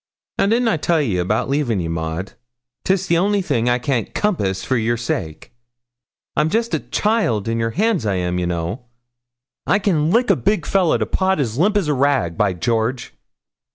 'Now, didn't I tell ye about leavin' ye, Maud? 'tis the only thing I can't compass for yer sake. I'm jest a child in yere hands, I am, ye know. I can lick a big fellah to pot as limp as a rag, by George!'